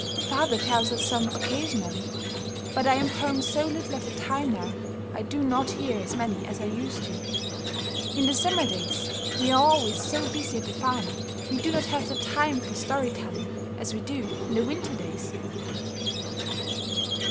"Father tells us some occasionally, but I am home so little of the time now I do not hear as many as I used to. In the summer days we are always so busy at the farm we do not have the time for story telling as we do in the winter days."